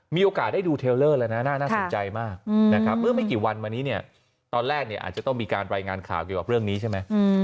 มีโอกาสได้ดูเทลเลอร์แล้วนะน่าสนใจมากนะครับเมื่อไม่กี่วันมานี้เนี่ยตอนแรกอาจจะต้องมีการรายงานข่าวเกี่ยวกับเรื่องนี้ใช่ไหม